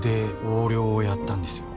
横領をやったんですよ。